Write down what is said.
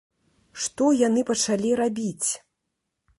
Што яны пачалі рабіць?